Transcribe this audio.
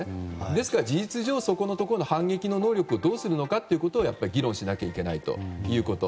ですから事実上そこのところの反撃能力をどうするかを議論しなきゃいけないということ。